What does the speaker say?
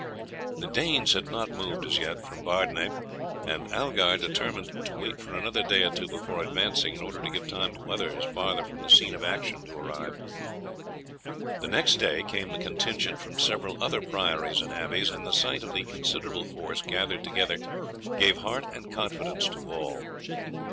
The Danes had not moved as yet from Bardenay, and Algar determined to wait for another day or two before advancing, in order to give time to others farther from the scene of action to arrive. The next day came the contingents from several other priories and abbeys, and the sight of the considerable force gathered together gave heart and confidence to all.